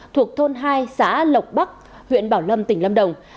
thuộc thôn hai xã lộc bắc huyện bảo lâm tỉnh lâm đồng